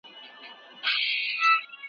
دا نهه کوچنيان دي.